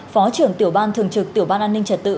phó trưởng tiểu ban thường trực tiểu ban an ninh trật tự